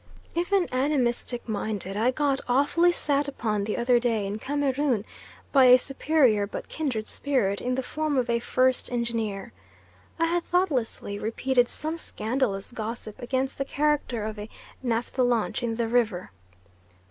Even animistic minded I got awfully sat upon the other day in Cameroon by a superior but kindred spirit, in the form of a First Engineer. I had thoughtlessly repeated some scandalous gossip against the character of a naphtha launch in the river.